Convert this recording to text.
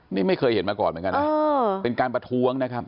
นี่ไม่เคยเห็นมาก่อนเหมือนกันนะเป็นการประท้วงนะครับ